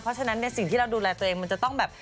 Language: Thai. เพราะฉะนั้นในสิ่งที่เราดูแลตัวเองมันจะต้องแบบ